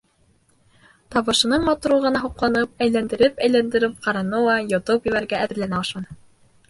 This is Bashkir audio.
Табышының матурлығына һоҡланып, әйләндереп-әйләндереп ҡараны ла йотоп ебәрергә әҙерләнә башланы.